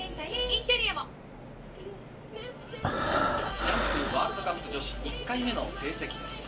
ジャンプワールドカップ女子、１回目の成績です。